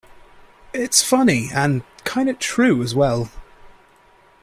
It's funny, and kinda true as well!